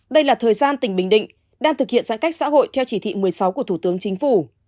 đây là thời gian tỉnh bình định đang thực hiện giãn cách xã hội theo chỉ thị một mươi sáu của thủ tướng chính phủ